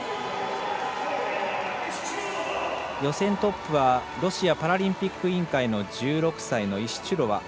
予選トップはロシアパラリンピック委員会のイシチュロワ。